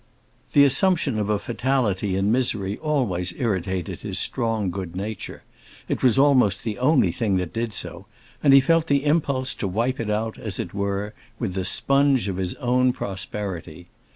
The assumption of a fatality in misery always irritated his strong good nature—it was almost the only thing that did so; and he felt the impulse to wipe it out, as it were, with the sponge of his own prosperity.